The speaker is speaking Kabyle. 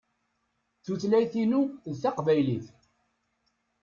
Tutlayt-inu d taqbaylit.